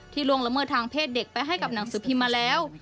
ล่วงละเมิดทางเพศเด็กไปให้กับหนังสือพิมพ์มาแล้ว